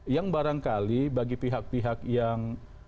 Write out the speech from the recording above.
yang barangkali bagi pihak pihak yang agak meragukan berpikir